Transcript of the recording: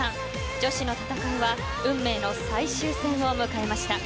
女子の戦いは運命の最終戦を迎えました。